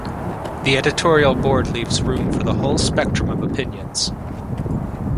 The editorial board leaves room for the whole spectrum of opinions.